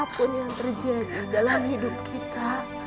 apapun yang terjadi dalam hidup kita